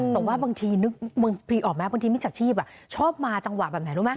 แต่ว่าบางทีนึกบางทีออกไหมบางทีมิจฉาชีพชอบมาจังหวะแบบไหนรู้ไหม